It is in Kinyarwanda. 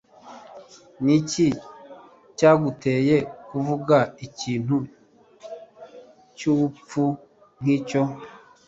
Niki cyaguteye kuvuga ikintu cyubupfu nkicyo